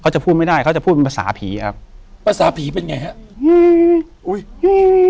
จะพูดไม่ได้เขาจะพูดเป็นภาษาผีครับภาษาผีเป็นไงฮะอืมอุ้ยอืม